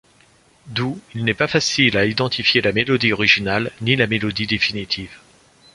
D'où, il n'est pas facile à identifier la mélodie originale ni la mélodie définitive.